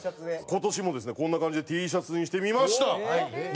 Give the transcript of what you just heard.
今年もですねこんな感じでＴシャツにしてみました。